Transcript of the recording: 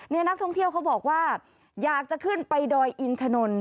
นี่นักท่องเที่ยวเขาบอกว่าอยากจะขึ้นไปดอยอินทนนท